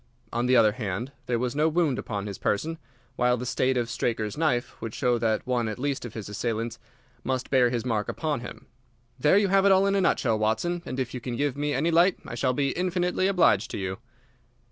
"On the other hand, there was no wound upon his person, while the state of Straker's knife would show that one at least of his assailants must bear his mark upon him. There you have it all in a nutshell, Watson, and if you can give me any light I shall be infinitely obliged to you."